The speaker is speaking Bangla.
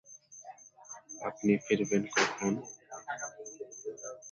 কে চাবি দিয়ে গেট খুলে রওনা হলেন?